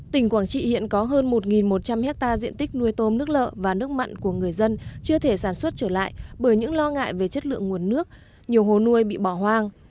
tỉnh quảng trị hiện có hơn một một trăm linh hectare diện tích nuôi tôm nước lợ và nước mặn của người dân chưa thể sản xuất trở lại bởi những lo ngại về chất lượng nguồn nước nhiều hồ nuôi bị bỏ hoang